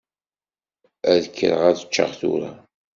Ad kkreɣ ad ččeɣ tura.